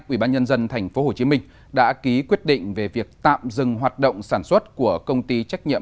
ubnd tp hcm đã ký quyết định về việc tạm dừng hoạt động sản xuất của công ty trách nhiệm